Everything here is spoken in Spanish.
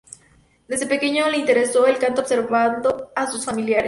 Desde pequeño le interesó el canto observando a sus familiares.